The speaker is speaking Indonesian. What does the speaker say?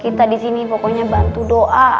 kita di sini pokoknya bantu doa